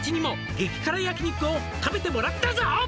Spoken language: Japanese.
「激辛焼肉を食べてもらったぞ」